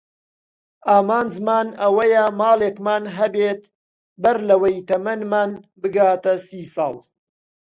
ئامانجمان ئەوەیە ماڵێکمان هەبێت بەر لەوەی تەمەنمان بگاتە سی ساڵ.